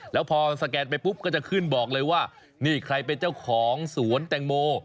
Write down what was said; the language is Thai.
แล้วพอสแกนไปปุ๊บก็จะขึ้นบอกเลยว่านี่ใครเป็นเจ้าของสวนแตงโม